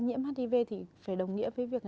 nhiễm hiv thì phải đồng nghĩa với việc